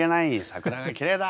桜がきれいだ！」